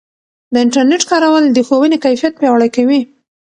د انټرنیټ کارول د ښوونې کیفیت پیاوړی کوي.